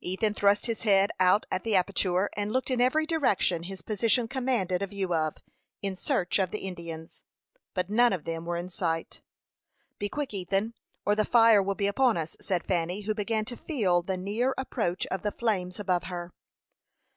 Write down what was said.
Ethan thrust his head out at the aperture, and looked in every direction his position commanded a view of, in search of the Indians, but none of them were in sight. "Be quick, Ethan, or the fire will be upon us," said Fanny, who began to feel the near approach of the flames above her.